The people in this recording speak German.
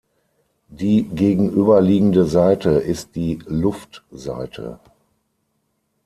Die gegenüberliegende Seite ist die Luftseite.